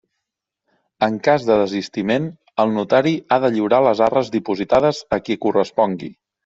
En cas de desistiment, el notari ha de lliurar les arres dipositades a qui correspongui.